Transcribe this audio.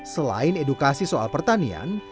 selain edukasi soal pertanian